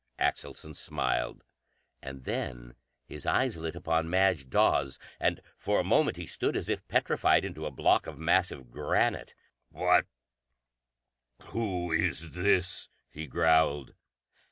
Axelson smiled and then his eyes lit upon Madge Dawes. And for a moment he stood as if petrified into a block of massive granite. "What who is this?" he growled.